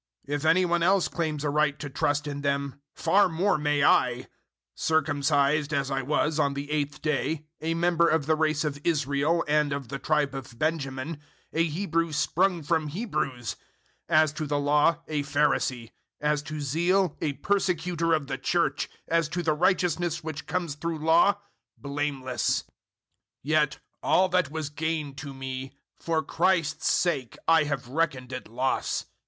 If any one else claims a right to trust in them, far more may I: 003:005 circumcised, as I was, on the eighth day, a member of the race of Israel and of the tribe of Benjamin, a Hebrew sprung from Hebrews; as to the Law a Pharisee; 003:006 as to zeal, a persecutor of the Church; as to the righteousness which comes through Law, blameless. 003:007 Yet all that was gain to me for Christ's sake I have reckoned it loss.